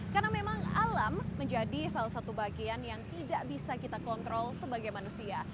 karena memang alam menjadi salah satu bagian yang tidak bisa kita kontrol sebagai manusia